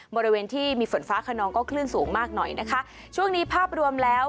บริเวณที่มีฝนฟ้าขนองก็คลื่นสูงมากหน่อยนะคะช่วงนี้ภาพรวมแล้ว